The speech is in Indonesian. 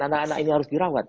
anak anak ini harus dirawat